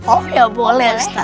oh ya boleh ustadz